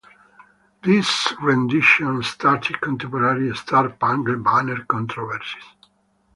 This rendition started contemporary "Star-Spangled Banner" controversies.